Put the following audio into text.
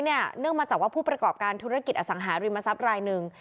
เนื่องมาจากว่าผู้ประกอบการธุรกิจอสังหาริมทรัพย์รายหนึ่ง